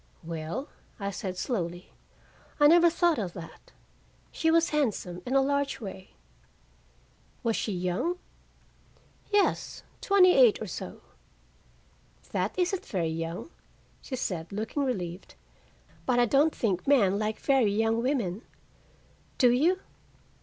"Well," I said slowly, "I never thought of that. She was handsome, in a large way." "Was she young?" "Yes. Twenty eight or so." "That isn't very young," she said, looking relieved. "But I don't think men like very young women. Do you?"